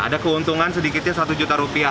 ada keuntungan sedikitnya satu juta rupiah